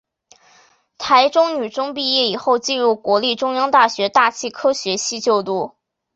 台中女中毕业以后进入国立中央大学大气科学系就读。